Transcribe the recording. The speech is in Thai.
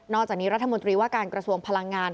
จากนี้รัฐมนตรีว่าการกระทรวงพลังงาน